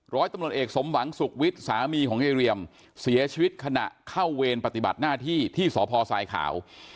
ร้อยตำรวจเอกสมหวังสุขวิทย์สามีของยายเรียมเสียชีวิตขณะเข้าเวรปฏิบัติหน้าที่ที่สพทรายขาว